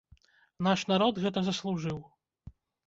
Наш народ гэта заслужыў.